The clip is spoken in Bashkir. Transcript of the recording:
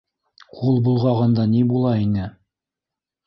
Ҡул болғағандан ни була ине?